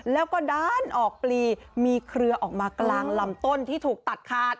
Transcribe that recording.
แล้วก็ด้านออกปลีมีเครือออกมากลางลำต้นที่ถูกตัดขาด